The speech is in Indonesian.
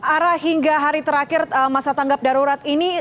ara hingga hari terakhir masa tanggap darurat ini